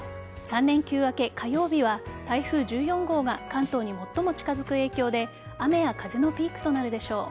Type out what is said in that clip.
３連休明け火曜日は台風１４号が関東に最も近づく影響で雨や風のピークとなるでしょう。